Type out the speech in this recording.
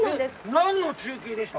何の中継でした？